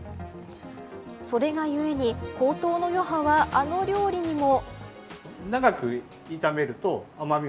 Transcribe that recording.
それがゆえに高騰の余波はあの料理にも。